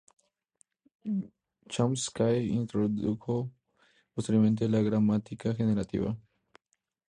Chomsky introdujo posteriormente la gramática generativa.